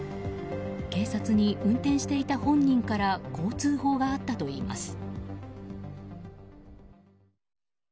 警察に運転していた本人からこう通報があったといいます。